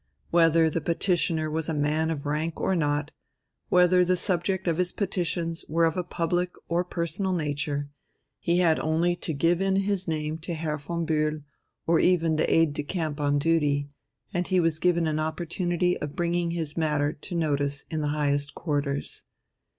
Whether the petitioner was a man of rank or not, whether the subject of his petitions were of a public or personal nature he had only to give in his name to Herr von Bühl, or even the aide de camp on duty, and he was given an opportunity of bringing his matter to notice in the highest quarters.